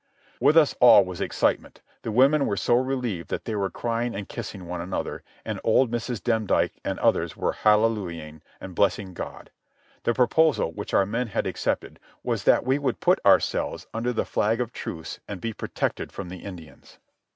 With us all was excitement. The women were so relieved that they were crying and kissing one another, and old Mrs. Demdike and others were hallelujahing and blessing God. The proposal, which our men had accepted, was that we would put ourselves under the flag of truce and be protected from the Indians.